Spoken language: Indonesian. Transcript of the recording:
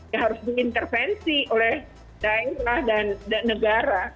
ya harus diintervensi oleh daerah dan negara